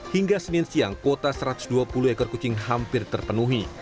hingga senin siang kuota satu ratus dua puluh ekor kucing hampir terpenuhi